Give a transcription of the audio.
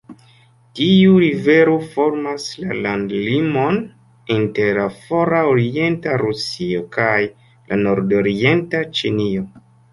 Tiu rivero formas la landlimon inter la fora orienta Rusio kaj la nordorienta Ĉinio.